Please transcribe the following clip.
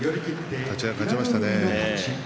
立ち合い勝ちましたね。